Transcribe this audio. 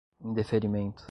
indeferimento